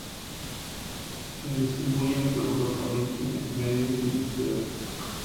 Se distribuyen por Europa, Oriente Medio y el norte de África.